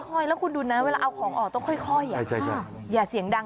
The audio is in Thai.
ค่อยแล้วคุณดูนะเวลาเอาของออกต้องค่อยค่อยอย่าเสียงดัง